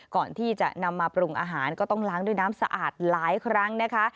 ก่อนที่จะนำมาปรุงอาหารก็ต้องล้างด้วยน้ำสะอาดหลายครั้งนะคะ